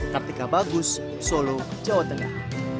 kartika bagus solo jawa tengah